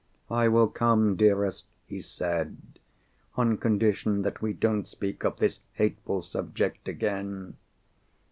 "I will come, dearest," he said, "on condition that we don't speak of this hateful subject again."